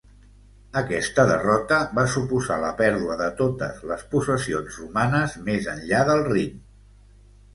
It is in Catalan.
Aquesta derrota va suposar la pèrdua de totes les possessions romanes més enllà del Rin.